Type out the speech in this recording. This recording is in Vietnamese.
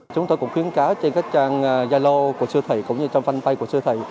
chúng tôi cũng khuyến cáo trên các trang gia lô của siêu thị cũng như trong fanpage của siêu thị